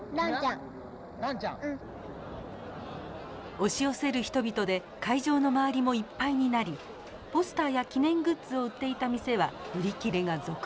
押し寄せる人々で会場の周りもいっぱいになりポスターや記念グッズを売っていた店は売り切れが続出。